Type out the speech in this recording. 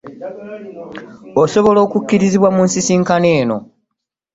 Okusobola okukkirizibwa mu nsisinkano eno.